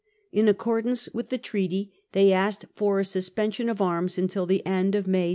In accordance with the treaty they asked for a suspension of arms until the end of May.